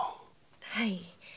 はい。